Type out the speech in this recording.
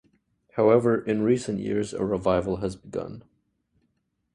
However, in recent years a revival has begun.